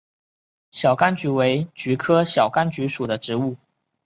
小甘菊为菊科小甘菊属的植物。